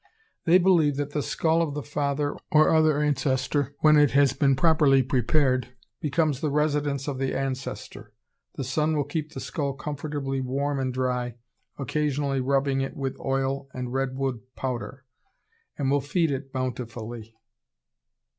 They believe that the skull of the father or other ancestor, when it has been properly prepared, becomes the residence of the ancestor. The son ... will keep the skull comfortably warm and dry, occasionally rubbing it with oil and red wood powder, and will feed it bountifully."